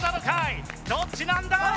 どっちなんだい？